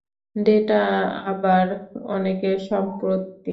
Data আবার অনেকের সম্পত্তি।